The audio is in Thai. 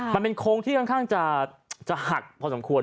มันเป็นโค้งที่ค่อนข้างจะหักพอสมควร